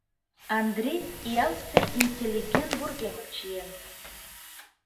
Андри ялысе интеллигент вургемым чиен.